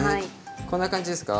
こんな感じですか？